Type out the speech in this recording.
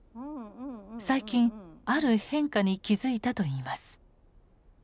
最近ある変化に気付いたといいます。